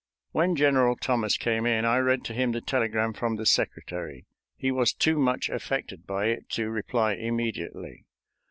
When General Thomas came in, I read to him the telegram from the Secretary. He was too much affected by it to reply immediately.